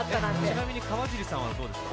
ちなみに、かわじりさんはどうですか？